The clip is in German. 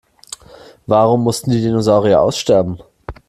Warum mussten die Dinosaurier aussterben?